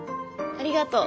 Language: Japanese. ありがとう。